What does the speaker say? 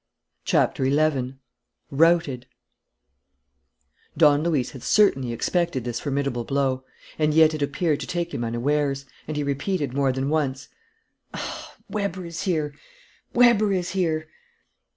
CHAPTER ELEVEN ROUTED Don Luis had certainly expected this formidable blow; and yet it appeared to take him unawares, and he repeated more than once: "Ah, Weber is here! Weber is here!"